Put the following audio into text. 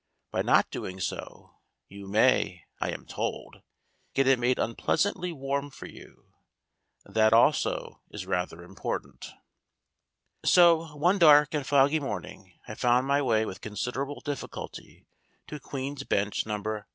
By not doing so you may, I am told, get it made unpleasantly warm for you ; that also is rather important. So one dark and foggy morning I found my way with considerable difficulty to Queen's Bench No. 3^2.